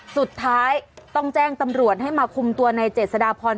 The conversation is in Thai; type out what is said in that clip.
สุดท้ายต้องแจ้งตำรวจให้มาคุมตัวในเจษฎาพร